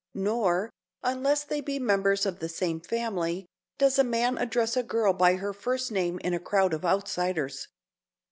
Nor, unless they be members of the same family, does a man address a girl by her first name in a crowd of outsiders.